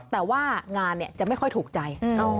แต่ว่างานจะไม่ค่อยถูกใจ